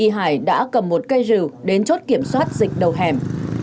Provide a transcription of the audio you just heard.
hải đã cầm một cây rừng đến chốt kiểm soát dịch đầu hẻm